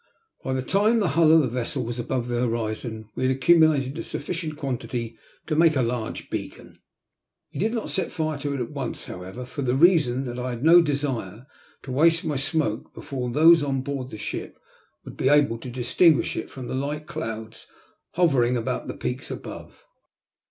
By the time the hull of the vessel was above the horizon we had accumulated a sufficient quantity to make a large beacon. We did not set fire to it at once, however, for the reason that I had no desire to waste my smoke before those on board the ship would be able to distinguish it from the light clouds hovering about the peaks above.